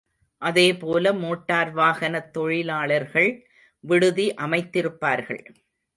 அதேபோல மோட்டார் வாகனத் தொழிலாளர்கள் விடுதி அமைத்திருப்பார்கள்.